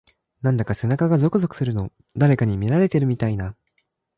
なんか背中がゾクゾクするの。誰かに見られてるみたいな…。